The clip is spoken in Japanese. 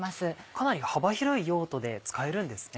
かなり幅広い用途で使えるんですね。